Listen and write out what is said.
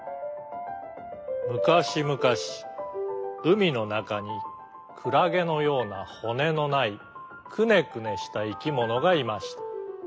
むかしむかしうみのなかにクラゲのようなほねのないくねくねしたいきものがいました。